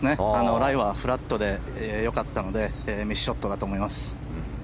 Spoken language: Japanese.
ライはフラットでよかったのでミスショットだと思います。